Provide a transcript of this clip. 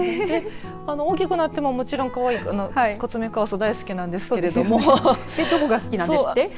大きくなっても、もちろんかわいくてコツメカワウソ大好きなんですけどどこが好きなんですって。